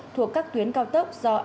thuộc các tuyến cao tốc do etc